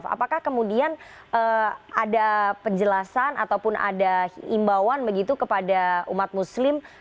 apakah kemudian ada penjelasan ataupun ada himbauan begitu kepada umat muslim